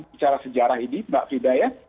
bicara sejarah ini mbak frida ya